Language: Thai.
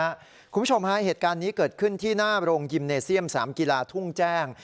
คุณผู้ชมฮะเหตุการณ์นี้เกิดขึ้นที่หน้าโรงยิมเนเซียมสนามกีฬาทุ่งแจ้ง